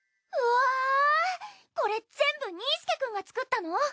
うわこれ全部にいすけくんが作ったの？